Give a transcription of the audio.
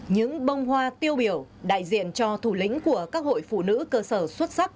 những bông hoa tiêu biểu đại diện cho thủ lĩnh của các hội phụ nữ cơ sở xuất sắc